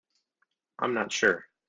I am not sure.